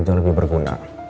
jangan lebih berguna